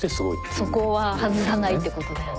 そこは外さないってことだよね。